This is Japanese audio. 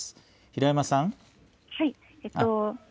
平山さん。